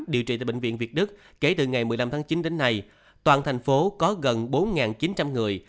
điều trị tại bệnh viện việt đức kể từ ngày một mươi năm tháng chín đến nay toàn thành phố có gần bốn chín trăm linh người